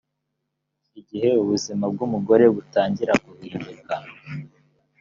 gihe ubuzima bw umugore butangira guhinduka